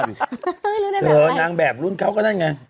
นางแบบรุ่นเขาก็นั่นไง